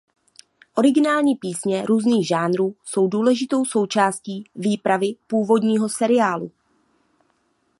Originální písně různých žánrů jsou důležitou součástí výpravy původního seriálu.